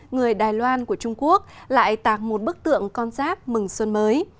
người đài loan của trung quốc lại tạc một bức tượng con giáp mừng xuân mới